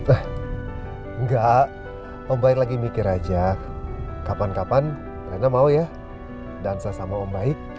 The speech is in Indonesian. eh enggak om baik lagi mikir aja kapan kapan rena mau ya dansa sama om baik